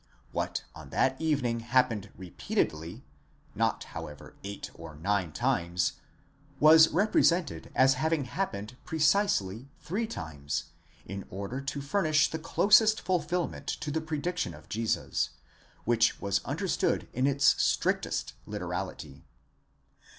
What on that evening happened repeatedly (not, however, eight or nine times), was represented as having happened precisely three times, in order to furnish the closest fulfilment to the prediction of Jesus, which was understood in its" strictest literality.